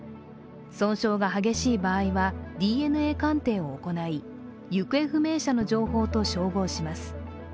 損傷が激しい場合は、ＤＮＡ鑑定を行い行方不明者の情報と照合します。